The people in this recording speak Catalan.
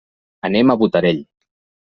Anem a Botarell.